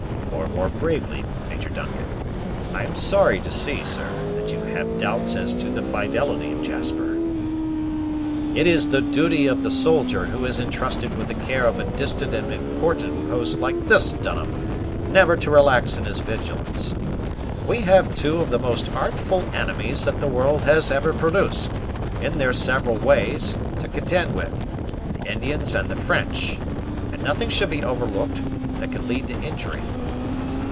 "Or more bravely, Major Duncan. I am sorry to see, sir, that you have doubts as to the fidelity of Jasper." "It is the duty of the soldier who is entrusted with the care of a distant and important post like this, Dunham, never to relax in his vigilance. We have two of the most artful enemies that the world has ever produced, in their several ways, to contend with, the Indians and the French, and nothing should be overlooked that can lead to injury."